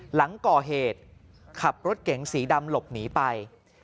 หลังก่อเหตุขับรถเก๋งสีดำหลบหนีไป